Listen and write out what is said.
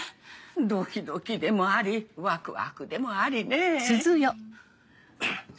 ドキドキでもありワクワクでもありね。